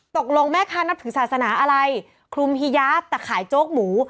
ตกลงแม่ค้านับถือศาสนาอะไรคลุมฮียาฟแต่ขายโจ๊กหมู